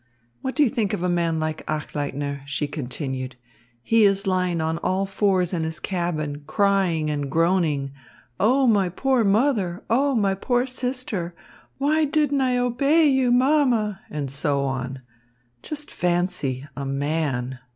What do you think of a man like Achleitner?" she continued. "He is lying on all fours in his cabin, crying and groaning, 'Oh, my poor mother! Oh, my poor sister! Why didn't I obey you, mamma!' and so on. Just fancy, a man!